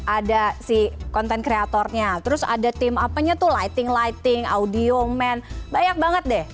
ada si konten kreatornya terus ada tim apanya tuh lighting lighting audio man banyak banget deh